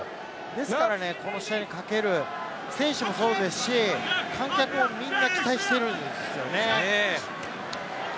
ですからこの試合にかける選手もそうですし、観客もみんな期待してるんですよね。